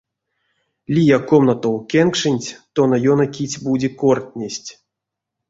Лия комнатав кенкшенть тона ёно кить-бути кортнесть.